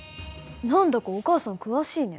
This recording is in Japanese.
何だかお母さん詳しいね。